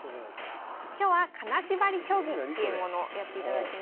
今日は「金縛り将棋」というものをやっていただきます。